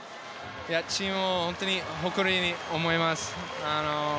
チームメートを本当に誇りに思います。